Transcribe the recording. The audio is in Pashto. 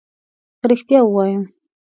که ريښتيا ووايم